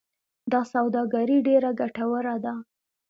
دا سوداګري ډیره ګټوره ده.